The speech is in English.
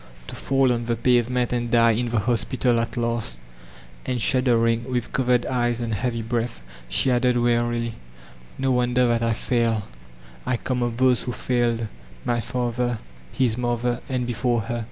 To fall oo die pavement and die in the hospital at last I" And shuddering, with covered eyes and heavy breath* she added wearily, "No wonder that I fail; I come of those who failed; my father, hit mother, — and before her?"